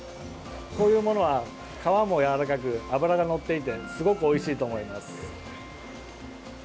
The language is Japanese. こういうものは、皮もやわらかく脂がのっていてすごくおいしいと思います。